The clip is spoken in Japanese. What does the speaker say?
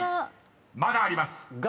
［まだあります］